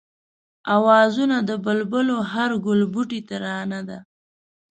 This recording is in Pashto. آوازونه د بلبلو هر گلبوټی ترانه ده